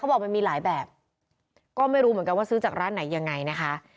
บอกมันมีหลายแบบก็ไม่รู้เหมือนกันว่าซื้อจากร้านไหนยังไงนะคะ